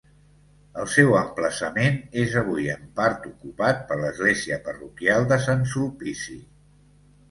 El seu emplaçament és avui en part ocupat per l'església parroquial de Sant Sulpici.